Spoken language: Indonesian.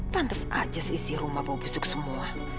pantes aja seisi rumah bau busuk semua